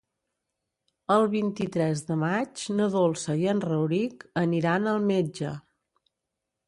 El vint-i-tres de maig na Dolça i en Rauric aniran al metge.